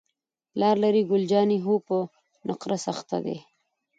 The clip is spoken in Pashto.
پلار لرې؟ ګل جانې: هو، په نقرس اخته دی.